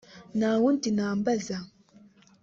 Nta wundi nambaza